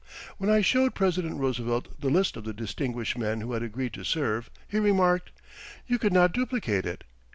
When I showed President Roosevelt the list of the distinguished men who had agreed to serve, he remarked: "You could not duplicate it."